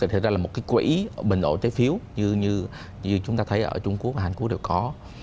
thực ra là một cái quỹ bình ổn trái phiếu như chúng ta thấy ở trung quốc và hàn quốc đều có